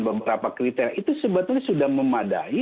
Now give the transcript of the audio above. beberapa kriteria itu sebetulnya sudah memadai